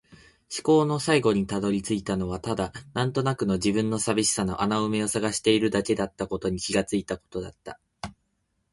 思考の最後に辿り着いたのはただ、なんとなくの自分の寂しさの穴埋めを探しているだけだったことに気がついたことだった。